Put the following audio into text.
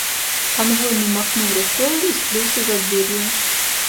— Конвойный махнул рукою и скрылся за дверью.